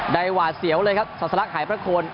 ได้หว่าเสียวเลยครับสัสลักหายพระคน